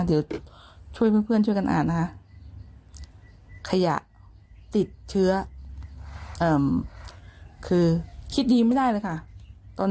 เดี๋ยวช่วยเพื่อนช่วยกันอ่านนะคะขยะติดเชื้อคือคิดดีไม่ได้เลยค่ะ